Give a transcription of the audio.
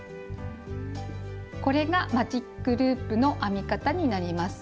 これが「マジックループ」の編み方になります。